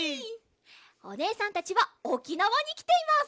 おねえさんたちはおきなわにきています！